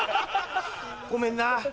ごめんな。